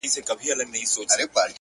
اخلاق د شخصیت ریښتینی غږ دی!